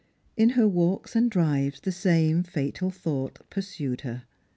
In her walks and drives the same fatal thought pursued her.